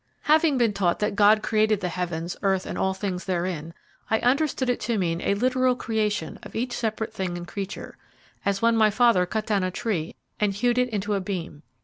Having been taught that God created the heavens, earth and all things therein, I understood it to mean a literal creation of each separate thing and creature, as when my father cut down a tree and hewed it into a beam.